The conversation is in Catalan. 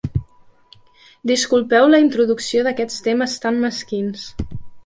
Disculpeu la introducció d'aquests temes tan mesquins.